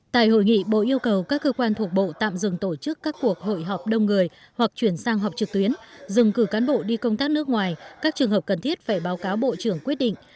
tại hội nghị bộ yêu cầu các cơ quan thuộc bộ tạm dừng tổ chức các cuộc hội họp đông người hoặc chuyển sang họp trực tuyến dừng cử cán bộ đi công tác nước ngoài các trường hợp cần thiết phải báo cáo bộ trưởng quyết định